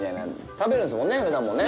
食べるんですもんね、ふだんもね。